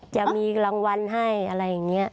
จะมีรางวัลให้อะไรอย่างนี้